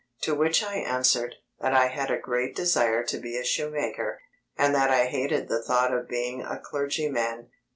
to which I answered, that I had a great desire to be a shoemaker, and that I hated the thought of being a clergyman.